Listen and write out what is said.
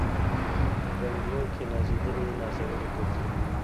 په بنګلو کي نازېدلي نازولي ګرځي